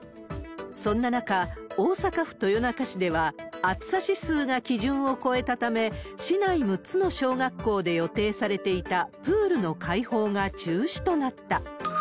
そんな中、大阪府豊中市では、暑さ指数が基準を超えたため、市内６つの小学校で予定されていたプールの開放が中止となった。